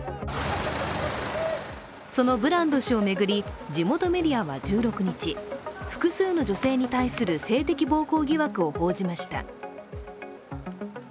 そのブランド氏を巡り、地元メディアは１６日、複数の女性に対する性的暴行疑惑を報じました。